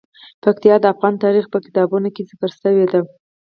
پکتیا د افغان تاریخ په کتابونو کې ذکر شوی دي.